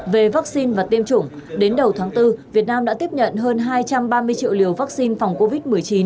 về vaccine và tiêm chủng đến đầu tháng bốn việt nam đã tiếp nhận hơn hai trăm ba mươi triệu liều vaccine phòng covid một mươi chín